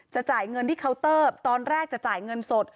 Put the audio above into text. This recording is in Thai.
จ่ายเงินที่เคาน์เตอร์ตอนแรกจะจ่ายเงินสด